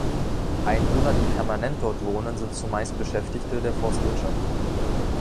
Einwohner, die permanent dort wohnen, sind zumeist Beschäftigte der Forstwirtschaft.